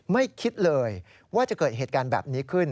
ไม่คิดเลยว่าจะเกิดเหตุการณ์แบบนี้ขึ้น